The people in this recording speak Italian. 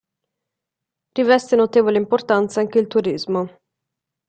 Riveste notevole importanza anche il turismo.